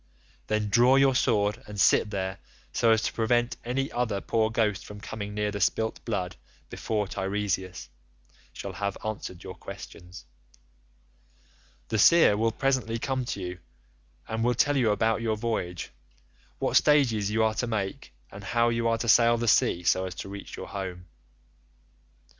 Then draw your sword and sit there, so as to prevent any other poor ghost from coming near the spilt blood before Teiresias shall have answered your questions. The seer will presently come to you, and will tell you about your voyage—what stages you are to make, and how you are to sail the sea so as to reach your home.